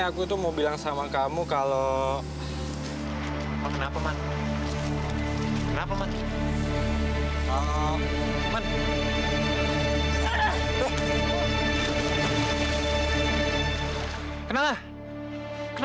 akhirnya bisa beli barang mahal